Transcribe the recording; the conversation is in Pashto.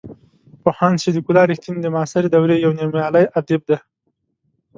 پوهاند صدیق الله رښتین د معاصرې دورې یو نومیالی ادیب دی.